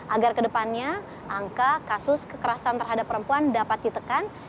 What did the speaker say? agar kedepannya angka kasus kekerasan terhadap perempuan dapat ditekan